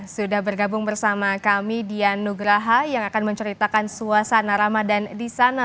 sudah bergabung bersama kami dian nugraha yang akan menceritakan suasana ramadan di sana